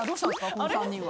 この３人は。